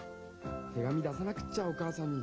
手紙出さなくっちゃおかあさんに。